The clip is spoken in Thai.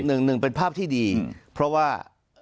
หนึ่งหนึ่งเป็นภาพที่ดีเพราะว่า